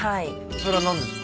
それは何ですか？